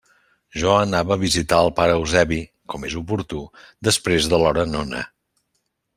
Jo anava a visitar el pare Eusebi, com és oportú, després de l'hora nona.